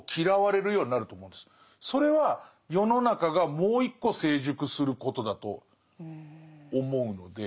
それは世の中がもう一個成熟することだと思うので。